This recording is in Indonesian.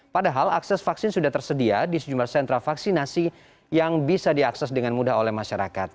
padahal akses vaksin sudah tersedia di sejumlah sentra vaksinasi yang bisa diakses dengan mudah oleh masyarakat